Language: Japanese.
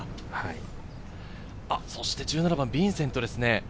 そして１７番、ビンセントです。